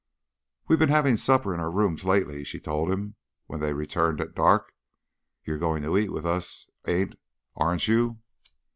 "We've been having supper in our rooms lately," she told him, when they returned at dark. "You're going to eat with us, ain aren't you?"